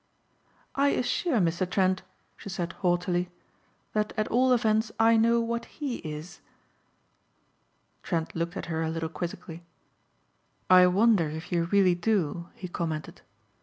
"I assure Mr. Trent," she said haughtily, "that at all events I know what he is." Trent looked at her a little quizzically. "I wonder if you really do," he commented.